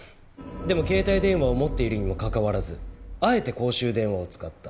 でも携帯電話を持っているにもかかわらずあえて公衆電話を使った。